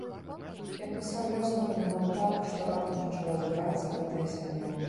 Як бы сам лёс наканаваў так, што раптам пачала збірацца гэтая сям'я.